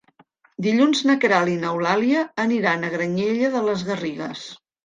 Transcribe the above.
Dilluns na Queralt i n'Eulàlia aniran a Granyena de les Garrigues.